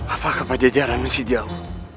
apakah pada jalan mesin jauh